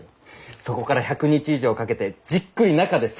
そこから１００日以上かけてじっくり中で成長するんだ。